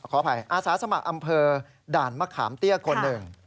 ขออภัยอาสาสมัครอำเภอด่านมะขามเตี้ยคนหนึ่ง